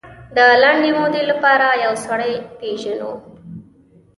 د لنډې مودې لپاره یو سړی پېژنو.